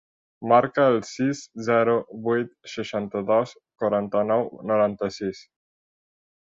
Marca el sis, zero, vuit, seixanta-dos, quaranta-nou, noranta-sis.